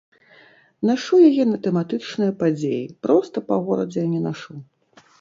Нашу яе на тэматычныя падзеі, проста па горадзе не нашу.